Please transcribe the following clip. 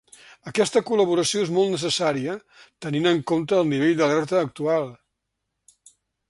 Aquesta col·laboració és molt necessària tenint en compte el nivell d’alerta actual.